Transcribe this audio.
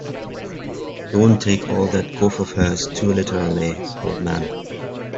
Don't take all that guff of hers too literally, old man.